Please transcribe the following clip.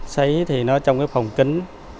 sấy thì nó trong phòng kính